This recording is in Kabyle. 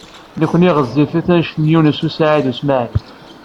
Nekkni ɣezzifit anect n Yunes u Saɛid u Smaɛil.